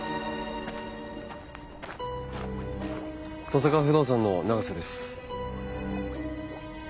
登坂不動産の永瀬です。